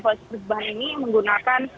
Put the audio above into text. kondisi perubahan ini menggunakan